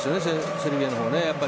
セルビアの方が。